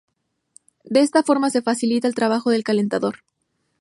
De esta forma se facilita el trabajo del calentador.